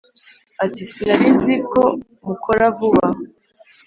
Ati: sinarinziko mukora vuba